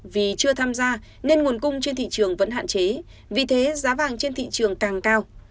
vì chưa tham gia nên nguồn cung trên thị trường vẫn hạn chế vì thế giá vàng trên thị trường càng cao